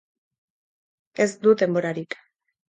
Ez dut denborarik.